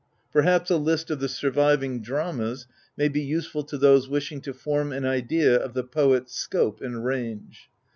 Perhaps a list of the surviving dramas may be useful to those wishing to form an idea of the poet's scope and range.